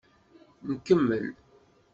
Nkemmel.